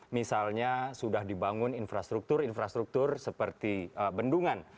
misalnya sudah dibangun infrastruktur infrastruktur seperti bendungan